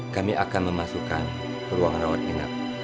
kami akan memasukkan ke ruang rawat minat